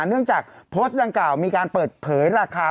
เนื่องจากโพสต์ดังกล่าวมีการเปิดเผยราคา